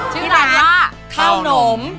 ชื่อน้ำละข้าวหนม